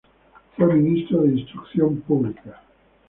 Fue ministro de Instrucción Pública.